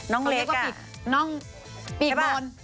น้องเล็กอ่ะ